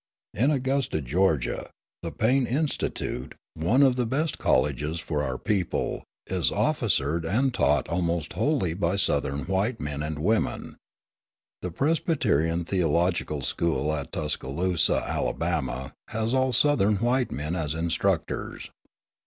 In Augusta, Georgia, the Payne Institute, one of the best colleges for our people, is officered and taught almost wholly by Southern white men and women. The Presbyterian Theological School at Tuscaloosa, Alabama, has all Southern white men as instructors.